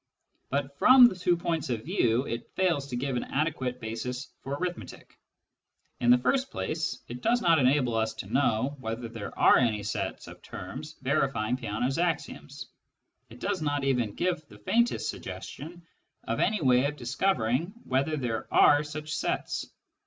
But from two points of view it fails to give an adequate basis for arithmetic. In the first place, it does not enable us to know whether there are any sets of terms verifying Peano's axioms ; it does not even give the faintest suggestion of any way of discovering whether there are such sets.